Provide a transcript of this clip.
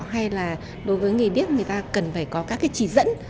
hay là đối với người điếc người ta cần phải có các cái chỉ dẫn